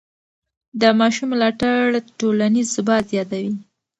د ماشوم ملاتړ ټولنیز ثبات زیاتوي.